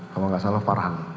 kalau tidak salah farhan